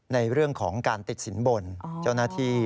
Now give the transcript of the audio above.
ในเรื่องของการติดสินบนเจ้าหน้าที่